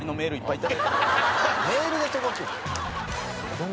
メールで届くん？